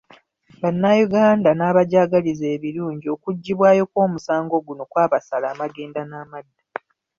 Bannayuganda n'abajagaliza ebirungi okuggibwayo kw'omusango guno kwabasala amagenda n'amadda.